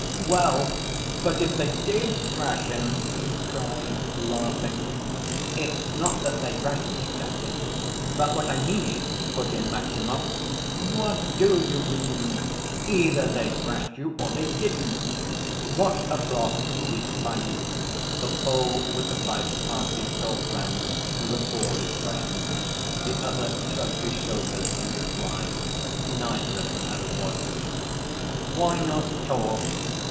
"Well, but if they did thrash him!" he cried, laughing. "It's not that they thrashed me exactly, but what I mean is—" put in Maximov. "What do you mean? Either they thrashed you or they didn't." "What o'clock is it, panie?" the Pole, with the pipe, asked his tall friend, with a bored expression. The other shrugged his shoulders in reply. Neither of them had a watch. "Why not talk?